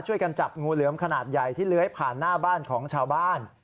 ช่วยกันจับงูเหลือมขนาดใหญ่ที่เลื้อยผ่านหน้าบ้านของชาวบ้าน